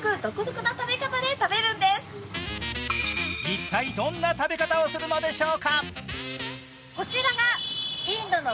一体どんな食べ方をするのでしょうか？